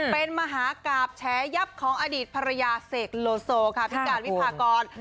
เป็นมหากราบแฉยับของอดีตภรรยาเสกโลโซค่ะพี่การวิพากร